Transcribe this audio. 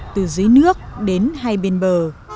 từ dưới nước đến hai bên bờ